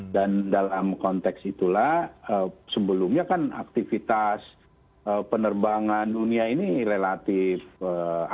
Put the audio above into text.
dan dalam konteks itulah sebelumnya kan aktivitas penerbangan dunia ini relatif aktif ya